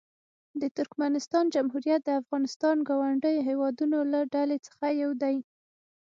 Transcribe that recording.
د ترکمنستان جمهوریت د افغانستان ګاونډیو هېوادونو له ډلې څخه یو دی.